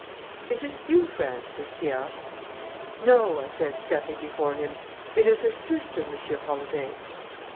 "'Is it you, Frances?' he asked. "'No,' I said, stepping before him. 'It is her sister, Monsieur Holladay!'